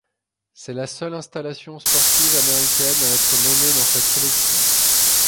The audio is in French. C'est la seule installation sportive américaine à être nommée dans cette sélection.